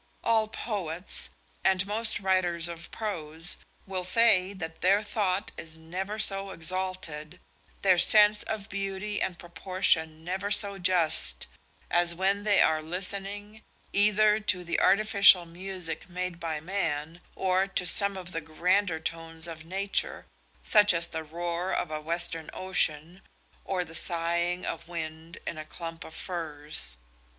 All poets, and most writers of prose, will say that their thought is never so exalted, their sense of beauty and proportion never so just, as when they are listening either to the artificial music made by man, or to some of the grander tones of nature, such as the roar of a western ocean, or the sighing of wind in a clump of firs.